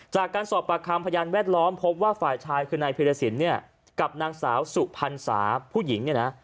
จากการสอบปากคำพยานแวดล้อมพบว่าฝ่ายชายคือนายพิรสินเนี่ยกับนางสาวสุพรรณสาผู้หญิงเนี่ยนะ